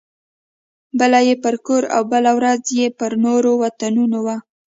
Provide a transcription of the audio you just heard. بله یې پر کور او بله ورځ یې پر نورو وطنونو وه.